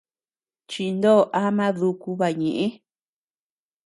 Chinoo ama duku baʼa ñeʼë.